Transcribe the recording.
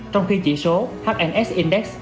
trong khi chỉ số hns index